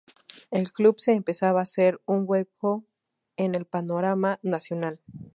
El club, se empezaba a hacer un hueco en el panorama nacional.